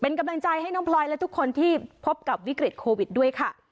เป็นกำลังใจให้น้องพลอยและทุกคนที่พบกับวิกฤตโควิดด้วยค่ะ